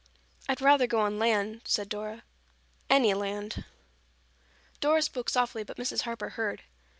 "I'd rather go on land," said Dora. "Any land." Dora spoke softly but Mrs. Harper heard.